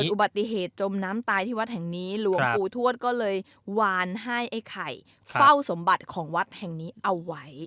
อุบัติเหตุจมน้ำตายที่วัดแห่งนี้หลวงปู่ทวดก็เลยวานให้ไอ้ไข่เฝ้าสมบัติของวัดแห่งนี้เอาไว้